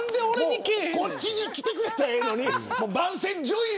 こっちに来てくれたらええのに。